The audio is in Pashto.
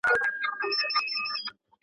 د ژمي په موسم کې کریم وکاروئ.